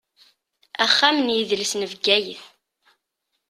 Axxam n yidles n Bgayet.